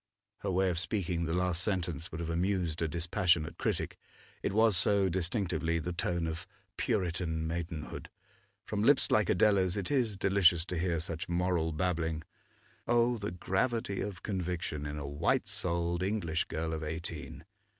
Her way of speaking the last sentence would have amused a dispassionate critic, it was so distinctively the tone of Puritan maidenhood. From lips like Adela's it is delicious to hear such moral babbling. Oh, the gravity of conviction in a white souled English girl of eighteen!